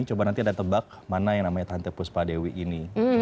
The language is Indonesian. coba nanti ada tebak mana yang namanya tante puspa dewi ini